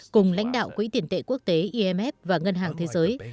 cùng lãnh đạo quỹ tiền tệ quốc tế imf và ngân hàng thế giới